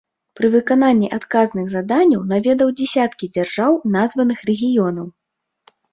Пры выкананні адказных заданняў наведаў дзясяткі дзяржаў названых рэгіёнаў.